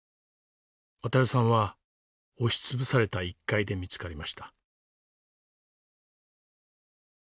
渉さんは押し潰された１階で見つかりました。